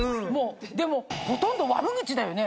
でもほとんど悪口だよね。